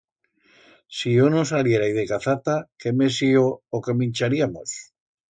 Si yo no saliérai de cazata quemesió o que mincharíamos.